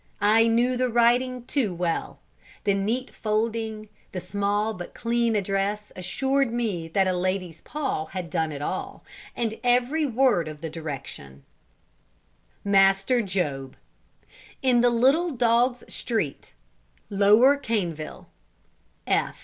I knew the writing too well. The neat folding, the small but clean address assured me that a lady's paw had done it all, and every word of the direction ++| MASTER JOB, |||| In the Little Dogs' Street, |||| F. LOWER CANEVILLE.